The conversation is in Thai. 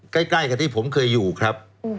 ใกล้กับที่ผมเคยอยู่ครับ